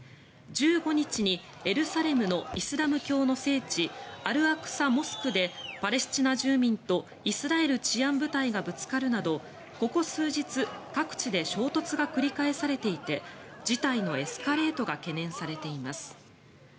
１５日にエルサレムのイスラム教の聖地アルアクサ・モスクでパレスチナ住民とイスラエル治安部隊がぶつかるなど、ここ数日各地で衝突が繰り返されていて事態のエスカレートが懸念されています。